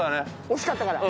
惜しかったから。